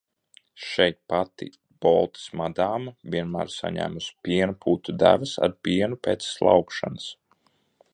"Šeit pati "Boltes madāma" vienmēr saņēma piena putu devas ar pienu pēc slaukšanas."